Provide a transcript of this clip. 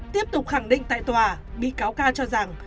tiếp tục khẳng định tại tòa bị cáo ca cho rằng